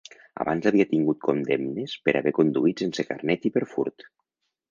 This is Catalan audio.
Abans havia tingut condemnes per haver conduït sense carnet i per furt.